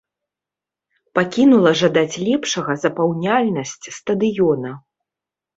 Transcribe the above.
Пакінула жадаць лепшага запаўняльнасць стадыёна.